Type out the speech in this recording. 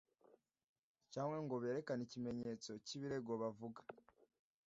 cyangwa ngo berekane ikimenyetso cy’ibirego bavuga